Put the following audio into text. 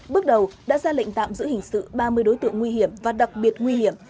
bước đầu đã ra lệnh tạm giữ hình sự ba mươi đối tượng nguy hiểm và đặc biệt nguy hiểm